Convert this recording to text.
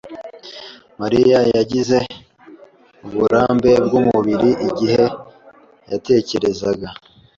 Mariya yagize uburambe bwumubiri igihe yatekerezaga.